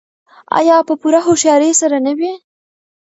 آیا په پوره هوښیارۍ سره نه وي؟